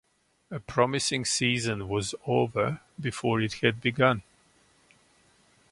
A promising season was over before it had begun.